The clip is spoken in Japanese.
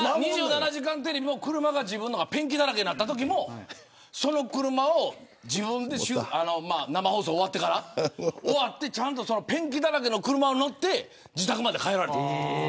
２７時間テレビも自分の車がペンキだらけになったときもその車を自分で生放送、終わってからちゃんとペンキだらけの車に乗って自宅まで帰られたんです。